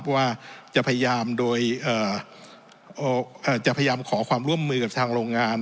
ว่าจะพยายามขอความร่วมมือกับทางโรงงาน